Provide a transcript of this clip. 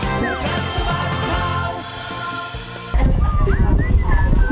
โคตรเฮฟเซียน